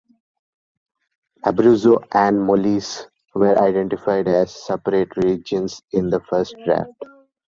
Abruzzo and Molise were identified as separate regions in the first draft.